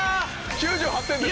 ９８点です！